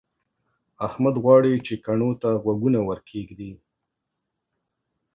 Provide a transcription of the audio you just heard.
احمد غواړي چې کڼو ته غوږونه ورکېږدي.